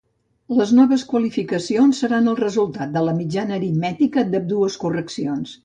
Les noves qualificacions seran el resultat de la mitjana aritmètica d'ambdues correccions.